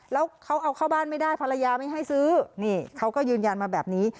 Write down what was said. แล้วเขาเอาเข้าบ้านไม่ได้ภรรยาไม่ให้ซื้อนี่เขาก็ยืนยันมาแบบนี้